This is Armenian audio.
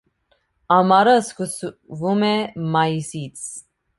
Ամառը սկսվում է մայիսից։